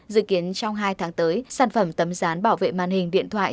dự kiến trong hai tháng tới sản phẩm tấm dán bảo vệ màn hình điện thoại